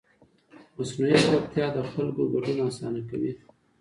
مصنوعي ځیرکتیا د خلکو ګډون اسانه کوي.